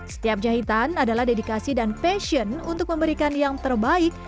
setiap jahitan adalah dedikasi dan passion untuk memberikan yang terbaik